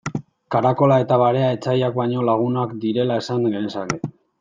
Karakola eta barea etsaiak baino lagunak direla esan genezake.